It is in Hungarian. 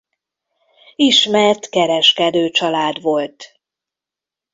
Ismert kereskedőcsalád volt.